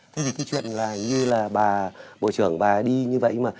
thế thì cái chuyện là như là bà bộ trưởng bà đi như vậy mà